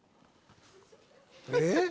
えっ？